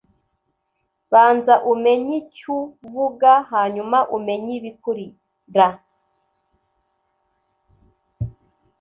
banza umeny icyu uvuga hanyuma umeny ibikurira